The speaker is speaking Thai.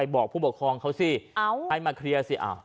บอกผู้ปกครองเขาสิให้มาเคลียร์สิ